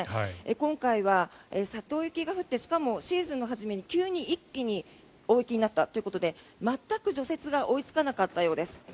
今回は雪が降ってしかもシーズンの初めに急に一気に大雪になったということで全く除雪が追いつかなかったようです。